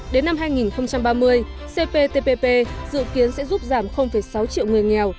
đến năm hai nghìn ba mươi cptpp dự kiến sẽ giúp giảm sáu triệu người nghèo